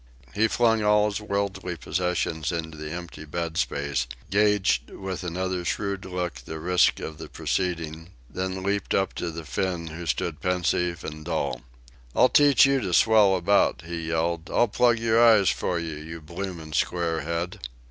He flung all his worldly possessions into the empty bed place, gauged with another shrewd look the risks of the proceeding, then leaped up to the Finn, who stood pensive and dull. "I'll teach you to swell around," he yelled. "I'll plug your eyes for you, you blooming square head."